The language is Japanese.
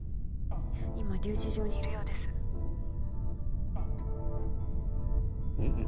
今留置場にいるようですん？